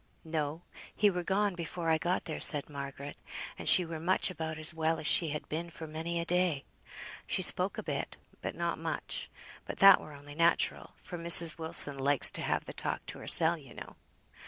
"No; he were gone before I got there," said Margaret; "and she were much about as well as she has been this many a day. She spoke a bit, but not much; but that were only natural, for Mrs. Wilson likes to have the talk to hersel, you know.